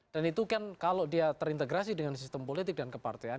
itu kan kalau dia terintegrasi dengan sistem politik dan kepartean